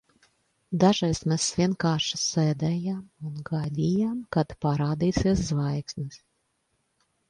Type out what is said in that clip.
Dažreiz mēs vienkārši sēdējām un gaidījām, kad parādīsies zvaigznes.